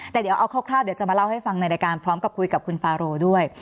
แต่เดี๋ยวเอาคร่าวเดี๋ยวจะมาเล่าให้ฟังในรายการพร้อมกับคุยกับคุณฟาโรด้วย